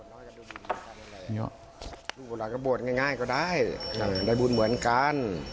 ลูกหลานก็บวชง่ายง่ายก็ได้ได้บุญเหมือนกัน